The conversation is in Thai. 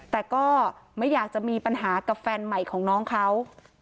แต่ก็ไม่อยากจะมีปัญหากับแฟนใหม่ของน้องเขา